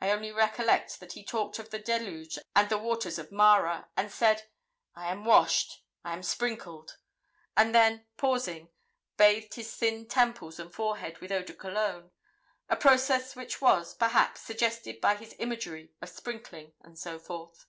I only recollect that he talked of the deluge and the waters of Mara, and said, 'I am washed I am sprinkled,' and then, pausing, bathed his thin temples and forehead with eau de Cologne; a process which was, perhaps, suggested by his imagery of sprinkling and so forth.